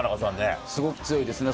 すごく強いですね。